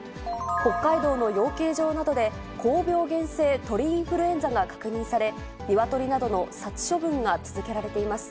北海道の養鶏場などで、高病原性鳥インフルエンザが確認され、ニワトリなどの殺処分が続けられています。